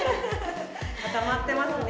固まってますね。